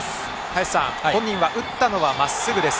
本人は打ったのはまっすぐです。